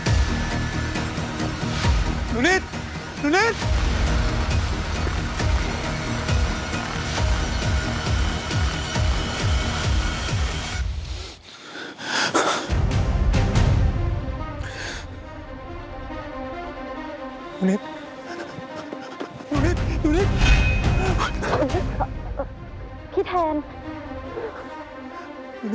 หนูนิดมันทำอะไรที่นี่